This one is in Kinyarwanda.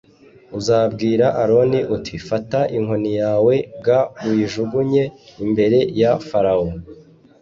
Uzabwire aroni uti fata inkoni yawe g uyijugunye imbere ya farawo